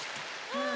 うん！